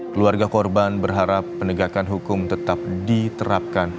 keluarga korban berharap penegakan hukum tetap diterapkan